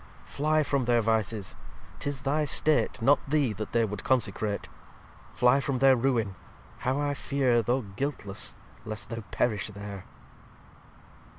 Fly from their Vices. 'Tis thy 'state, Not Thee, that they would consecrate. Fly from their Ruine. How I fear Though guiltless lest thou perish there."